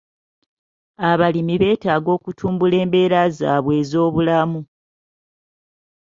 Abalimi beetaaga okutumbula embeera zaabwe ez'obulamu.